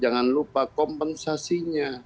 jangan lupa kompensasinya